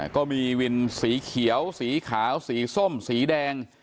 ก็มีวินสีเขียวสีขาวสีส้มสีแดง